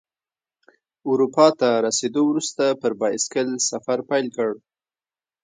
اروپا ته رسیدو وروسته پر بایسکل سفر پیل کړ.